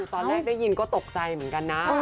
ตอนแรกได้ยินก็ตกใจเหมือนกันนะ